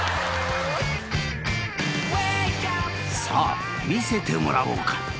［さあ見せてもらおうか。